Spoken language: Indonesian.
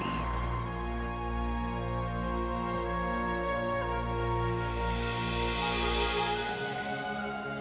aku akan kembali nanti